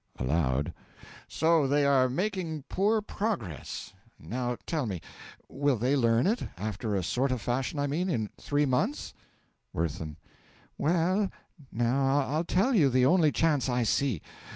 (Aloud.) So they are making poor progress? Now tell me will they learn it after a sort of fashion, I mean in three months? WIRTHIN. Well, now, I'll tell you the only chance I see.